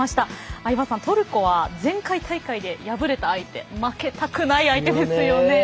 相葉さんトルコは前回大会で敗れた相手負けたくない相手ですよね。